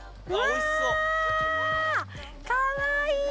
かわいい！